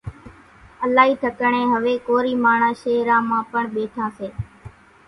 الائِي ٺڪاڻين هويَ ڪوري ماڻۿان شيۿران مان پڻ ٻيٺان سي۔